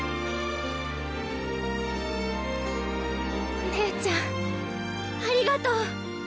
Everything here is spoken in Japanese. お姉ちゃんありがとう。